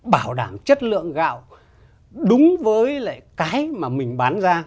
bảo đảm chất lượng gạo đúng với lại cái mà mình bán ra